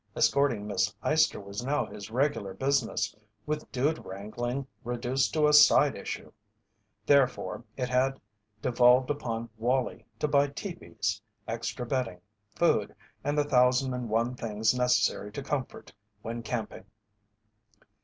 Escorting Miss Eyester was now his regular business, with dude wrangling reduced to a side issue. Therefore it had devolved upon Wallie to buy teepees, extra bedding, food, and the thousand and one things necessary to comfort when camping.